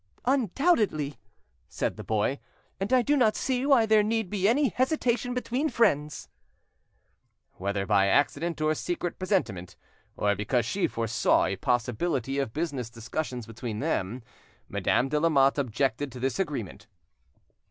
"Undoubtedly," said the boy; "and I do not see why there need be any hesitation between friends." Whether by accident, or secret presentiment, or because she foresaw a possibility of business discussions between them, Madame de Lamotte objected to this arrangement.